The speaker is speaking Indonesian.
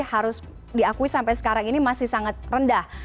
harus diakui sampai sekarang ini masih sangat rendah